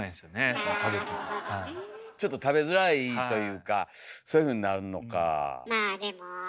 ちょっと食べづらいというかそういうふうになるのか。